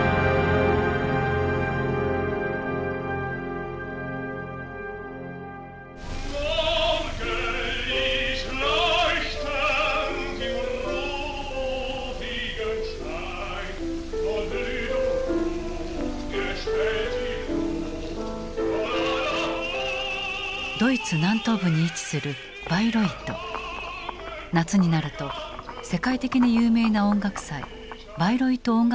夏になると世界的に有名な音楽祭「バイロイト音楽祭」が開催される。